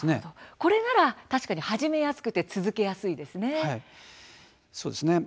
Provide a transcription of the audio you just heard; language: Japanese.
これなら確かに始めやすく続けやすいですね。